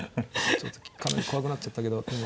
ちょっとかなり怖くなっちゃったけどでも。